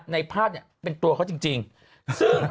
ในภาพเป็นตัวเขาจริงซึ่ง